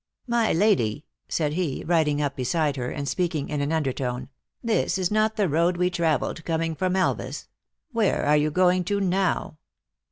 " My Lady," said he, riding up beside her, and speaking in an under tone, " this is not the road we traveled coming from Elvas. Where are you going to now